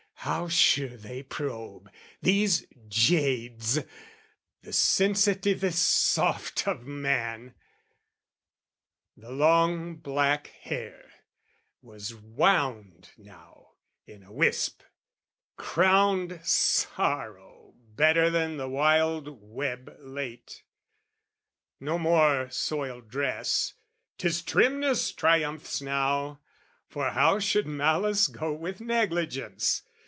how sure they probe, These jades, the sensitivest soft of man! The long black hair was wound now in a wisp, Crowned sorrow better than the wild web late: No more soiled dress, 'tis trimness triumphs now, For how should malice go with negligence?